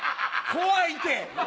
怖いて！